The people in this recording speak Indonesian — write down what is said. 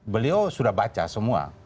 beliau sudah baca semua